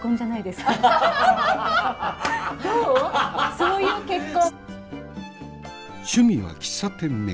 そういう結婚。